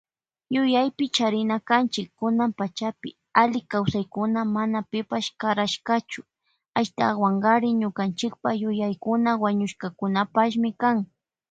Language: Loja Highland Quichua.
Yuyapi charina kanchi kunan pachapi alli kawsaykunaka mana pipash karashkachu, ashtawankari ñukanchipa yayakuna wañushkakunapashmi kan.